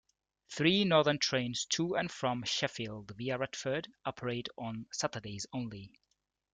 Three Northern trains to and from Sheffield via Retford operate on Saturdays only.